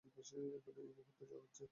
এখানে, এই মূহুর্তে যা হচ্ছে।